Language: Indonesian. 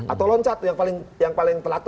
atau loncat yang paling telat